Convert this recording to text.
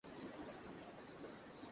চোখ কেমন ছিলো শোনা?